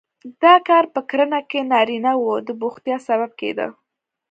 دا کار په کرنه کې نارینه وو د بوختیا سبب کېده.